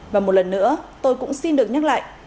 và một lần nữa tôi cũng xin được nhắc lại